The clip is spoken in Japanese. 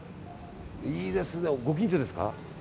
いいですねご近所ですか。